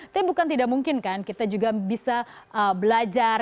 tapi bukan tidak mungkin kan kita juga bisa belajar